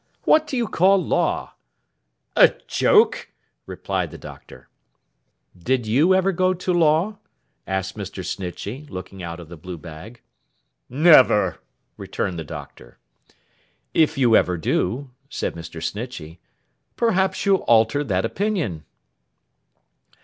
What do you call law?' 'A joke,' replied the Doctor. 'Did you ever go to law?' asked Mr. Snitchey, looking out of the blue bag. 'Never,' returned the Doctor. 'If you ever do,' said Mr. Snitchey, 'perhaps you'll alter that opinion.